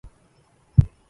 كم ذا أؤنبه وفي تأنبيه